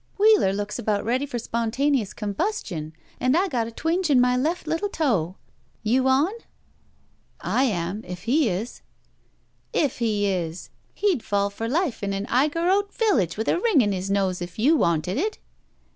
Wheeler looks about ready for spontaneous combustion, and I got a twinge in my left Uttle toe. You on? " "I am, if he is." " 'If he is!' He'd fall for life in an Igorrote village with a ring in his nose if you wanted it."